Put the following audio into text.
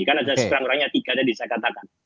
kan ada sekurang kurangnya tiga yang bisa saya katakan